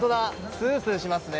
スースーしますね。